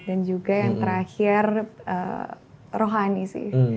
dan juga yang terakhir rohani sih